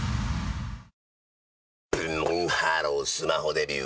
ブンブンハロースマホデビュー！